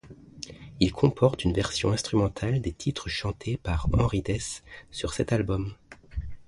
Il comporte une version instrumentale des titres chantés par Henri Dès sur cet album.